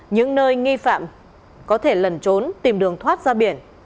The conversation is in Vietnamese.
những nơi nghi phạm có thể lẩn trốn tìm đường thoát ra biển